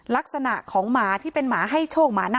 ลักษณะของหมาที่เป็นหมาให้โชคหมาหน้า